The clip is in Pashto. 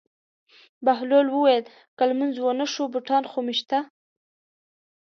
بهلول وویل: که لمونځ ونه شو بوټان خو مې شته.